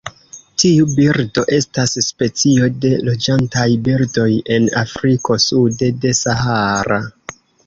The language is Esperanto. Tiu birdo estas specio de loĝantaj birdoj en Afriko sude de Sahara.